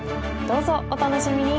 どうぞお楽しみに！